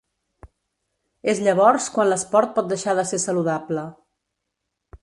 És llavors quan l’esport pot deixar de ser saludable.